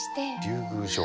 竜宮城？